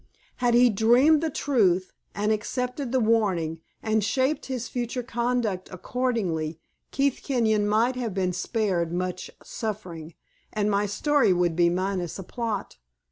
Had he dreamed the truth, and accepted the warning, and shaped his future conduct accordingly, Keith Kenyon might have been spared much suffering, and my story would be minus a plot.